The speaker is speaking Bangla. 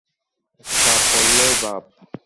চাপ পড়লেই বাপ।